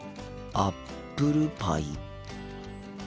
アップルパイ！